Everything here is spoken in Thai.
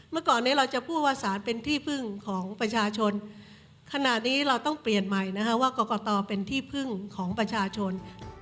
เมื่อก่อนนี้เราจะพูดว่าสารเป็นที่พึ่งของประชาชนขณะนี้เราต้องเปลี่ยนใหม่นะคะว่ากรกตเป็นที่พึ่งของประชาชน